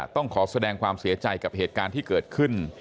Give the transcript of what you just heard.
ต้องขอแสดงความเสียใจกับเหตุการณ์ที่เกิดขึ้น